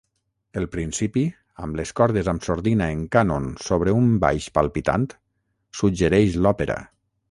El principi, amb les cordes amb sordina en cànon sobre un baix palpitant, suggereix l'òpera.